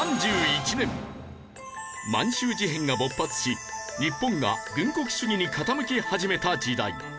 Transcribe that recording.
満洲事変が勃発し日本が軍国主義に傾き始めた時代。